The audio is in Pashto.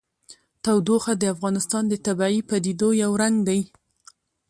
تودوخه د افغانستان د طبیعي پدیدو یو رنګ دی.